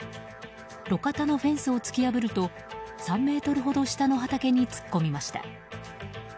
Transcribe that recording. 路肩のフェンスを突き破ると３ｍほど下の畑に突っ込みました。